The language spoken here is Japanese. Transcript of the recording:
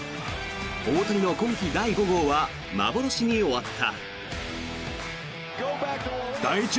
大谷の今季第５号は幻に終わった。